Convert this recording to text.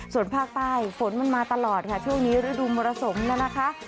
ส่วนภาคใต้ฝนมันมาตลอดแบบนี้ช่วงนี้ฐูมิมูลสมแล้วนะคะ